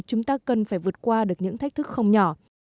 chúng ta cần phải vượt qua được những thách thức không nhỏ